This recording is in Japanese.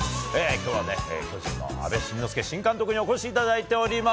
きょうは巨人の阿部慎之助新監督にお越しいただいております。